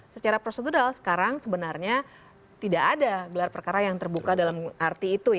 secara prosedural sekarang sebenarnya tidak ada gelar perkara yang terbuka dalam arti itu ya